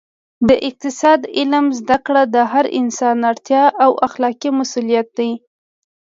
د اقتصاد علم زده کړه د هر انسان اړتیا او اخلاقي مسوولیت دی